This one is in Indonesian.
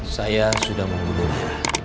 saya sudah membunuhnya